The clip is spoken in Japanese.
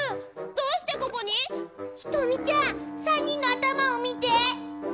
どうしてここに⁉ひとみちゃん３にんのあたまをみて！